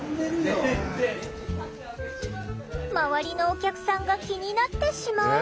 周りのお客さんが気になってしまう。